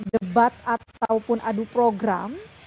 debat ataupun adu program